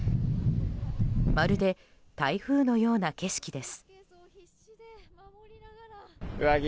まるで台風のような景色です。